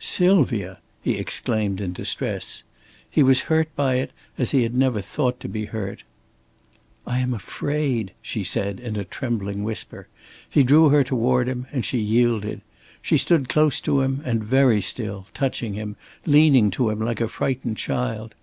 "Sylvia!" he exclaimed in distress. He was hurt by it as he had never thought to be hurt. "I am afraid!" she said, in a trembling whisper. He drew her toward him and she yielded. She stood close to him and very still, touching him, leaning to him like a frightened child.